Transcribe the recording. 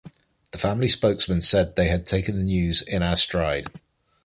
The family spokesman said they had taken the news "in our stride".